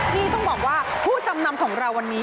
ที่ต้องบอกว่าผู้จำนำของเราวันนี้